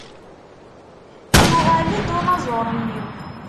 Yuɣal-d unaẓuṛ-nni.